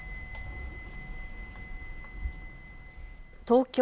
東京